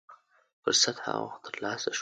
فرصت هغه وخت تر لاسه شو.